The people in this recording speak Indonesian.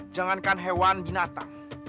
jangankan hewan binatang